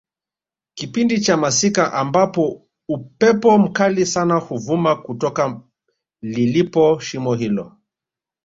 kipindi cha masika ambapo upepo mkali sana huvuma kutoka lilipo shimo hilo